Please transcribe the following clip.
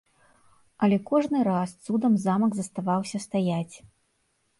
Але кожны раз цудам замак заставаўся стаяць.